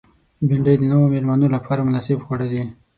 بېنډۍ د نوو مېلمنو لپاره مناسب خواړه دي